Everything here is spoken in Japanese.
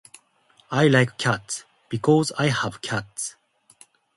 I like cats. Because I have cats.